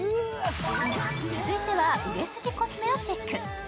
続いては売れ筋コスメをチェック。